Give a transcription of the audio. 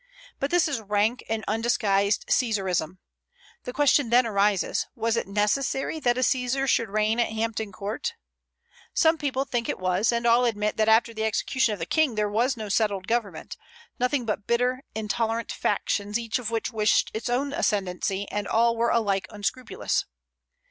But this is rank and undisguised Caesarism. The question then arises, Was it necessary that a Caesar should reign at Hampton Court? Some people think it was; and all admit that after the execution of the King there was no settled government, nothing but bitter, intolerant factions, each of which wished its own ascendency, and all were alike unscrupulous.